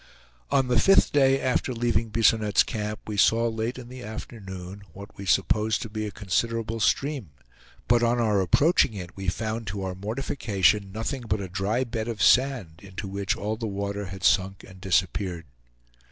On the fifth day after leaving Bisonette's camp we saw late in the afternoon what we supposed to be a considerable stream, but on our approaching it we found to our mortification nothing but a dry bed of sand into which all the water had sunk and disappeared.